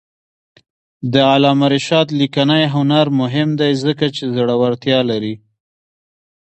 د علامه رشاد لیکنی هنر مهم دی ځکه چې زړورتیا لري.